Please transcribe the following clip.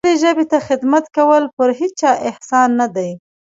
خپلې ژبې ته خدمت کول پر هیچا احسان نه دی.